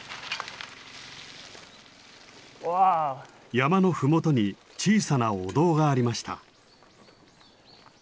山の麓に小さなお堂がありました。